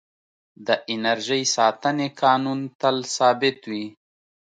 د انرژۍ ساتنې قانون تل ثابت وي.